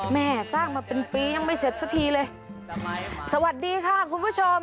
แม่สร้างมาเป็นปียังไม่เสร็จสักทีเลยสวัสดีค่ะคุณผู้ชม